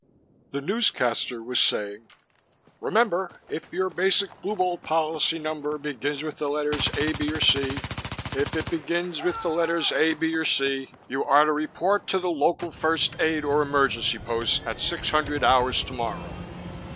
The newscaster was saying: "Remember, if your Basic Blue Bolt policy number begins with the letters A, B or C if it begins with the letters A, B or C you are to report to the local first aid or emergency post at six hundred hours tomorrow.